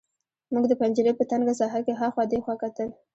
موږ د پنجرې په تنګه ساحه کې هاخوا دېخوا کتل